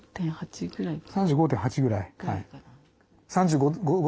３５．８ぐらい。